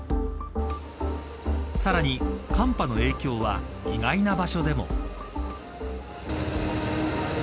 さらに寒波の影響は意外な場所でも。